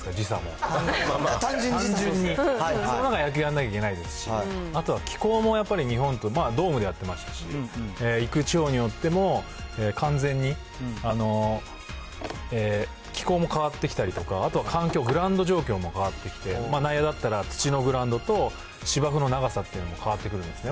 その中で、その中で野球やんなきゃいけないですし、あとは気候もやっぱり日本と、ドームでやってましたし、行く地方によっても、完全に気候も変わってきたりとか、あとは環境、グラウンド状況も変わってきて、内野だったら土のグラウンドと、芝生の長さっていうのも変わってくるんですね。